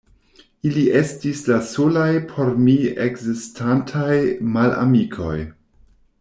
Ili estis la solaj por mi ekzistantaj malamikoj.